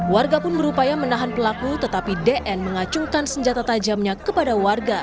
warga pun berupaya menahan pelaku tetapi dn mengacungkan senjata tajamnya kepada warga